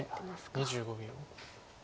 ２５秒。